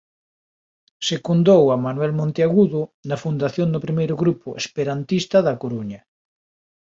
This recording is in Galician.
Secundou a Manuel Monteagudo na fundación do primeiro grupo esperantista da Coruña.